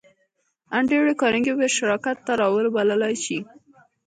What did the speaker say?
انډریو کارنګي به شراکت ته را وبللای شې